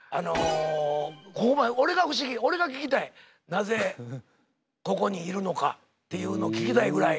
なぜここにいるのかっていうの聞きたいぐらい。